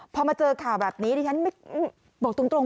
พอมาเจอข่าวแบบนี้ฉะนั้นบอกตรง